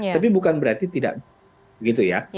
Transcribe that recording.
tapi bukan berarti tidak begitu ya